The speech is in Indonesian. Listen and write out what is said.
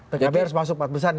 pkb harus masuk empat besar ya